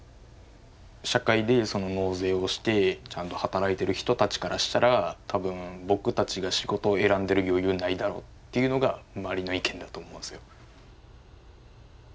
社会で納税をしてちゃんと働いてる人たちからしたら多分僕たちが仕事を選んでる余裕ないだろっていうのが周りの意見だと思うんですよ。